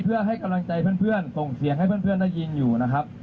เพื่อให้กำลังใจเพื่อนส่งเสียงให้เพื่อนได้ยินอยู่นะครับ